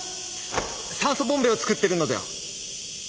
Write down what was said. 酸素ボンベを作っているのでは？